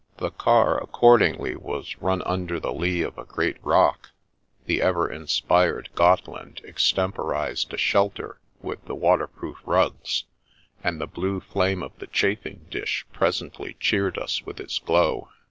The car accordingly was 66 The Princess Passes run under the lee of a great rock, the ever inspired Gotteland extemporised a shelter with the water proof rugs, and the blue flame of the chafing dish presently cheered us with its glow.